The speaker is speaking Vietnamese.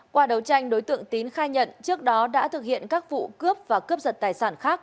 qua đấu tranh đối tượng tín khai nhận trước đó đã thực hiện các vụ cướp và cướp giật tài sản khác